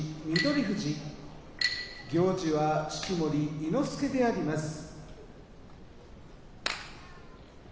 富士行司は式守伊之助であります。